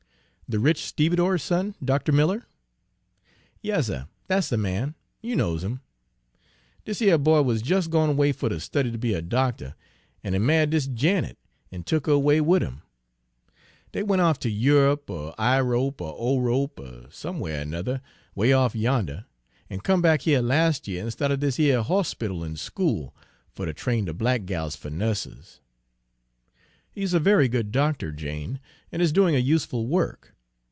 "The rich stevedore's son, Dr. Miller?" "Yas, suh, dat's de man, you knows 'im. Dis yer boy wuz jes' gwine 'way fer ter study ter be a doctuh, an' he ma'ied dis Janet, an' tuck her 'way wid 'im. Dey went off ter Europe, er Irope, er Orope, er somewhere er 'nother, 'way off yander, an' come back here las' year an' sta'ted dis yer horspital an' school fer ter train de black gals fer nusses." "He's a very good doctor, Jane, and is doing a useful work.